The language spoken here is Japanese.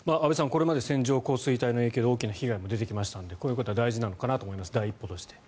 これまで線状降水帯の影響で大きな被害も出てきましたのでこういうことは第１歩として重要なのかなと思います。